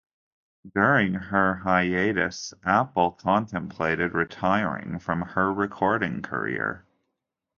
During her hiatus, Apple contemplated retiring from her recording career.